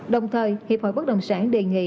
đồng thời hiệp hội bất đồng sản đề nghị